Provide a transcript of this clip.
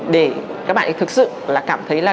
để các bạn thực sự là cảm thấy là